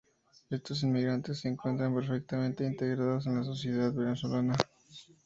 Estos inmigrantes se encuentran perfectamente integrados en la sociedad venezolana.